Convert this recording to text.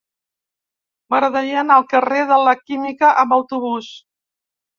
M'agradaria anar al carrer de la Química amb autobús.